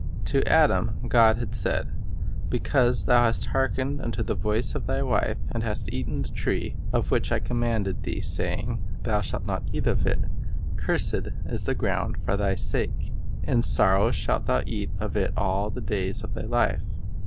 To Adam God had said: ''Because thou hast hark ened unto the voice of thy wife, and hast eaten of the tree, of which I commanded thee, saying, Thou shalt not eat of it; cursed is the ground for thy sake; in sorrow shalt thou eat of it all the days of thy life.